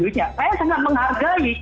kita tidak harus menghargai